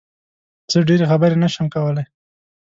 زه ډېری خبرې نه شم کولی